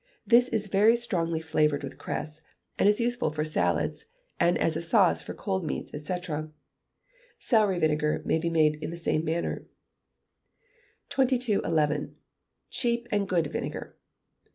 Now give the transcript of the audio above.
This is very strongly flavoured with cress, and is useful for salads, and as a sauce for cold meats, &c. Celery vinegar may be made in the same manner. 2011. Cheap and Good Vinegar.